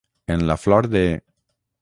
En la flor de.